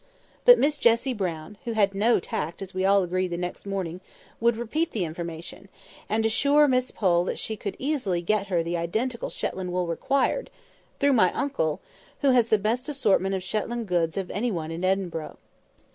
But Miss Jessie Brown (who had no tact, as we all agreed the next morning) would repeat the information, and assure Miss Pole she could easily get her the identical Shetland wool required, "through my uncle, who has the best assortment of Shetland goods of any one in Edinbro'."